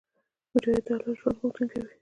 مجاهد د حلال ژوند غوښتونکی وي.